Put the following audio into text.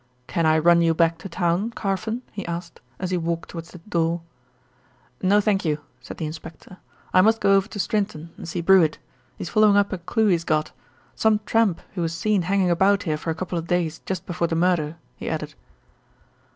"Can I run you back to town, Carfon?" he asked, as he walked towards the door. "No, thank you," said the inspector. "I must go over to Strinton and see Brewitt. He's following up a clue he's got. Some tramp who was seen hanging about here for a couple of days just before the murder," he added.